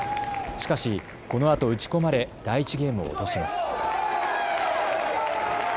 しかし、このあと打ち込まれ第１ゲームを落とします。